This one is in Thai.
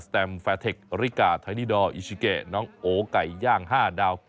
แตมแฟร์เทคริกาไทนีดอร์อิชิเกน้องโอไก่ย่าง๕ดาว